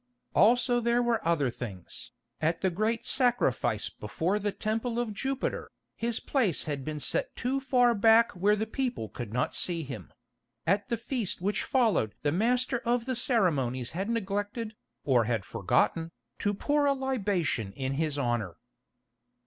Also there were other things. At the great sacrifice before the temple of Jupiter, his place had been set too far back where the people could not see him; at the feast which followed the master of the ceremonies had neglected, or had forgotten, to pour a libation in his honour.